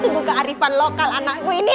semoga arifan lokal anakku ini